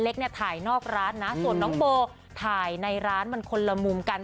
เล็กเนี่ยถ่ายนอกร้านนะส่วนน้องโบถ่ายในร้านมันคนละมุมกัน